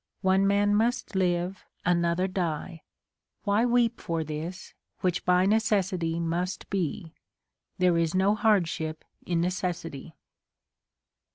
One man must live, another die : why weep For this, which by necessity must be 1 There is no hardship in necessity.